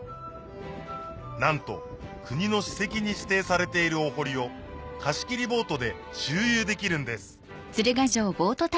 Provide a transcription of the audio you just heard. なんと国の史跡に指定されているお堀を貸し切りボートで周遊できるんです